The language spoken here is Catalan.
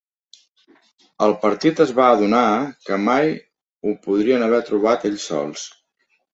El partit es va adonar que mai ho podrien haver trobat ells sols.